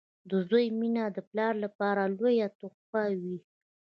• د زوی مینه د پلار لپاره لویه تحفه وي.